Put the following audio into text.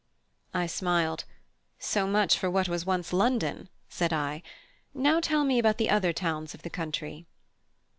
I smiled. "So much for what was once London," said I. "Now tell me about the other towns of the country."